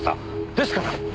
ですから。